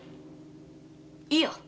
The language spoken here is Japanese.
いいよ。